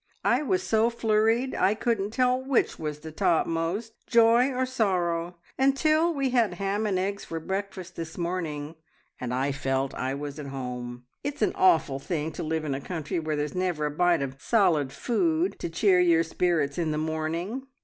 I was so flurried I couldn't tell which was the topmost, joy or sorrow, until we had ham and eggs for breakfast this morning, and I felt I was at home. It's an awful thing to live in a country where there's never a bite of solid food to cheer your spirits in the morning!